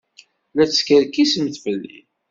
La teskerkisemt fell-i.